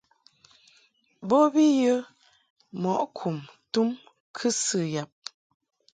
Bo bi yə mɔʼ kum tum kɨsɨ yab.